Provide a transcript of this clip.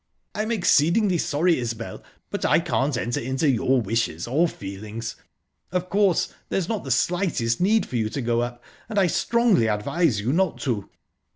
"I'm exceedingly sorry, Isbel, but I can't enter into your wishes or feelings. Of course, there's not the slightest need for you to go up, and I strongly advise you not to..."